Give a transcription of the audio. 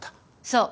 そう。